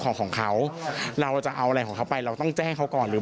ของเขาเราจะเอาอะไรของเขาไปเราต้องแจ้งเขาก่อนหรือ